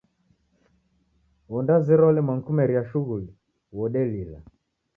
Wodazerwa wolemwa nikumeria shughulia wodelila.